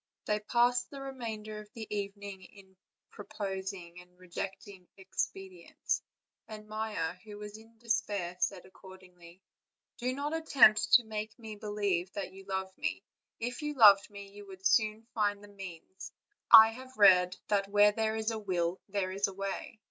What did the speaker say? They passed the remainder of the evening in proposing and re jecting expedients; and Maia, who was in despair, said accordingly: "Do not attempt to make me believe that you love me; if you loved me, you would soon find the means. I have read that where there is a will there is a way."